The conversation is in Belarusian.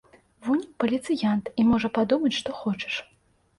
Вунь паліцыянт і можа падумаць што хочаш.